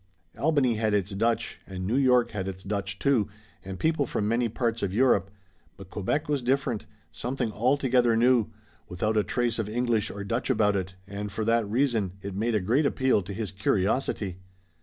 Albany had its Dutch, and New York had its Dutch, too, and people from many parts of Europe, but Quebec was different, something altogether new, without a trace of English or Dutch about it, and, for that reason, it made a great appeal to his curiosity.